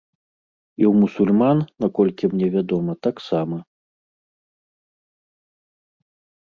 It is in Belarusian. І ў мусульман, наколькі мне вядома, таксама.